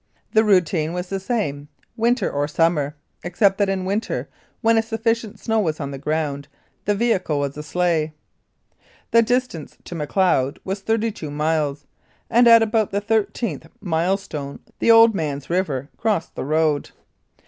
The routine was the same winter or summer, except that in winter, when sufficient snow was on the ground, the vehicle was a sleigh. The distance to Macleod was thirty two miles, and at about the thirteenth milestone the Old Man's River crossed the road.